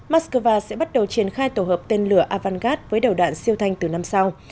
moscow sẽ bắt đầu triển khai tổ hợp tên lửa avangard với đầu đạn siêu thanh từ năm sau